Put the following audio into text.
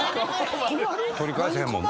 取り返せへんもんな。